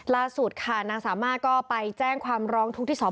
ล่าสูตรขนนาสีมางก็ไปแจ้งความร้องทุกข์ที่สค